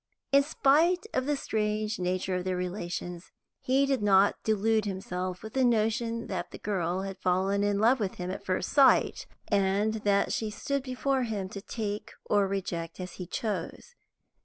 In spite of the strange nature of their relations, he did not delude himself with the notion that the girl had fallen in love with him at first sight, and that she stood before him to take or reject as he chose.